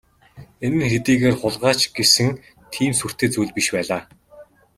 Энэ нь хэдийгээр хулгай ч гэсэн тийм сүртэй зүйл биш байлаа.